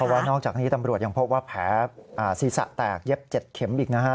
ว่านอกจากนี้ตำรวจยังพบว่าแผลศีรษะแตกเย็บ๗เข็มอีกนะฮะ